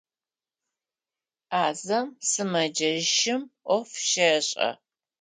Ӏазэм сымэджэщым ӏоф щешӏэ.